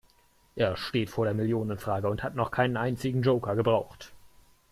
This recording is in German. Er steht vor der Millionenfrage und hat noch keinen einzigen Joker gebraucht.